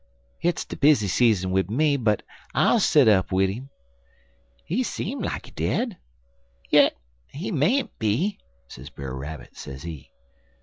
Hit's de busy season wid me, but I'll set up wid 'im. He seem like he dead, yit he mayn't be,' sez Brer Rabbit, sezee.